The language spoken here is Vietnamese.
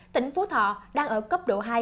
tỉnh phú thọ đang ở cấp độ hai